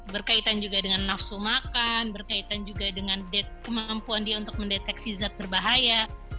berkaitan juga dengan nafsu makan berkaitan juga dengan kemampuan dia untuk mendeteksi zat berbahaya